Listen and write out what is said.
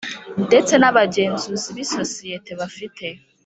Ndetse n abagenzuzi b isosiyete bafite